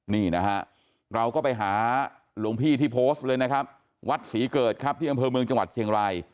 นี่นะฮะเราก็ไปหาหลวงพี่ที่โพสต์เลยนะครับวัดศรีเกิดครับที่อำเภอเมืองจังหวัดเชียงราย